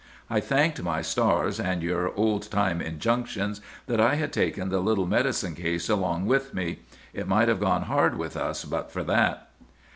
I thanked my stars and your old time injunctions that I had taken the little medicine case along with me. It might have gone hard with us but for that.